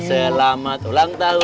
selamat ulang tahun